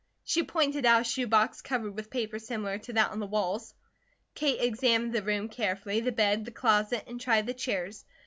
She pointed out a shoe box covered with paper similar to that on the walls. Kate examined the room carefully, the bed, the closet, and tried the chairs.